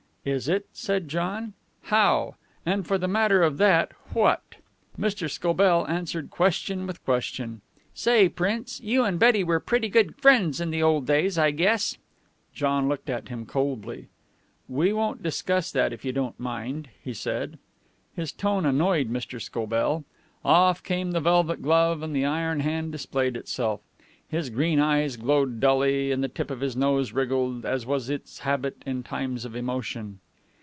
"Is it?" said John. "How? And, for the matter of that, what?" Mr. Scobell answered question with question. "Say, Prince, you and Betty were pretty good friends in the old days, I guess?" John looked at him coldly. "We won't discuss that, if you don't mind," he said. His tone annoyed Mr. Scobell. Off came the velvet glove, and the iron hand displayed itself. His green eyes glowed dully and the tip of his nose wriggled, as was its habit in times of emotion.